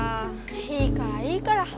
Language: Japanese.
いいからいいから。